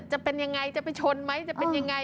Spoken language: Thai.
จะเป็นยังไงจะไปชนไหมจะเป็นยังไง